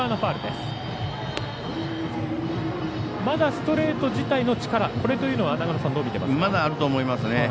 まだストレート自体の力これというのはどう見てますか。